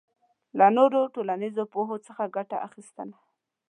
له نورو ټولنیزو پوهو څخه ګټه اخبستنه